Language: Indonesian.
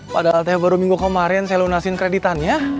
padahal saya baru minggu kemarin saya lunasin kreditannya